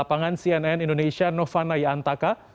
lapangan cnn indonesia nova naya antaka